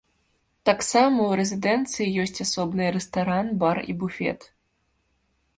Таксама ў рэзідэнцыі ёсць асобныя рэстаран, бар і буфет.